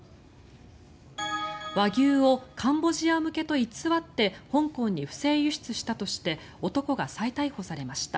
和牛をカンボジア向けと偽って香港へ不正輸出したとして男が再逮捕されました。